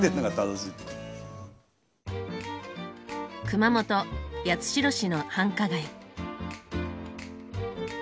熊本八代市の繁華街。